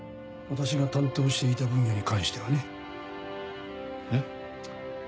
私が担当していた分野に関してはね。えっ？